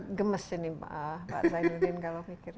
gemes ini pak zainuddin kalau mikir